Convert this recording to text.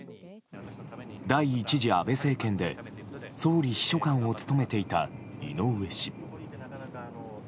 第１次安倍政権で総理秘書官を務めていた井上氏。